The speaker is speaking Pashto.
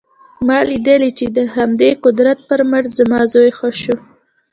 ما لیدلي چې د همدې قدرت پر مټ زما زوی ښه شو